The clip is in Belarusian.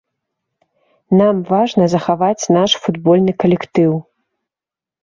Нам важна захаваць наш футбольны калектыў.